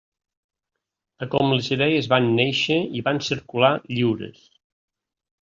De com les idees van néixer i van circular lliures.